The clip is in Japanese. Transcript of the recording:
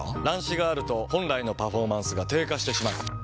乱視があると本来のパフォーマンスが低下してしまう。